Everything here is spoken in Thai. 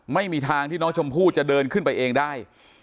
ไม่มีทางที่น้องชมพู่จะเดินขึ้นไปเองได้